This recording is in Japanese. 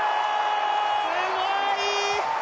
すごい！